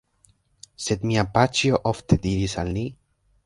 Sed mia paĉjo ofte diris al ni: